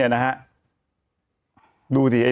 ออกไป